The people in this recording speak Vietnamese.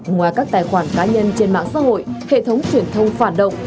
ngoài các tài khoản cá nhân trên mạng xã hội hệ thống truyền thông phản động